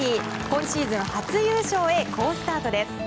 今シーズン初優勝へ好スタートです。